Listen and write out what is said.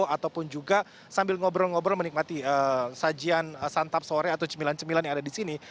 ataupun juga sambil ngobrol ngobrol menikmati sajian